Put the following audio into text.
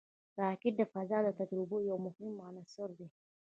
راکټ د فضا د تجربو یو مهم عنصر دی